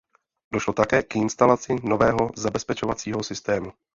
Došlo také k instalaci nového zabezpečovacího systému.